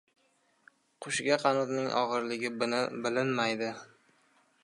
• Qushga qanotining og‘irligi bilinmaydi.